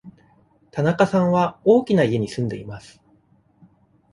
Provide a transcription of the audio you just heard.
田中さんは大きな家に住んでいます。